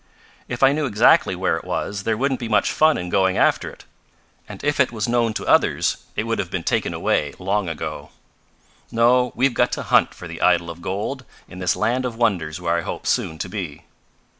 If I knew exactly where it was there wouldn't be much fun in going after it. And if it was known to others it would have been taken away long ago. "No, we've got to hunt for the idol of gold in this land of wonders where I hope soon to be.